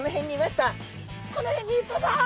「この辺にいたぞ！